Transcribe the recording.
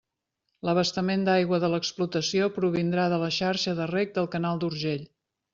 L'abastament d'aigua de l'explotació provindrà de la xarxa de reg del canal d'Urgell.